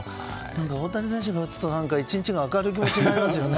大谷選手が打つと１日が明るい気持ちになりますよね。